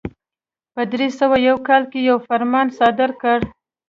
په درې سوه یو کال کې یو فرمان صادر کړ.